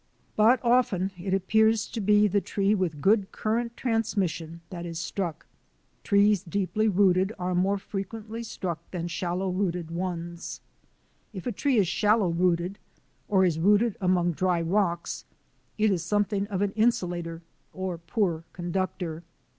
But often it ap pears to be the tree with good current transmission that is struck. Trees deeply rooted are more fre quently struck than shallow rooted ones. If a tree is shallow rooted, or is rooted among dry rocks, it is something of an insulator, or poor conductor.